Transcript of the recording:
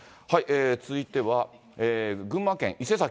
続いては群馬県伊勢崎。